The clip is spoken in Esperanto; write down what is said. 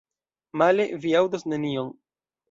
Male, vi aŭdos nenion.